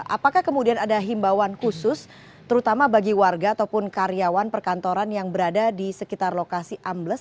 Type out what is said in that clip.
apakah kemudian ada himbauan khusus terutama bagi warga ataupun karyawan perkantoran yang berada di sekitar lokasi ambles